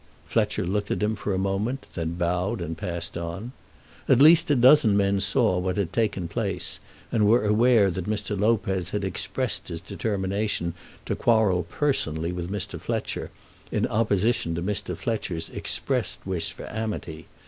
Fletcher looked at him for a moment, then bowed and passed on. At least a dozen men saw what had taken place, and were aware that Mr. Lopez had expressed his determination to quarrel personally with Mr. Fletcher, in opposition to Mr. Fletcher's expressed wish for amity.